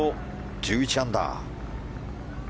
１１アンダー。